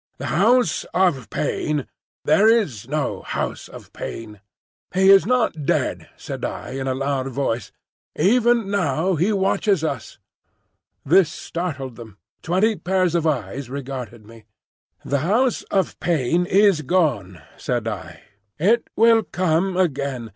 "The House of Pain—there is no House of Pain!" "He is not dead," said I, in a loud voice. "Even now he watches us!" This startled them. Twenty pairs of eyes regarded me. "The House of Pain is gone," said I. "It will come again.